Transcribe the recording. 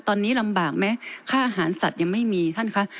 ตอนนี้ลำบากไหมค่าอาหารสัตว์ยังไม่มีท่านคะ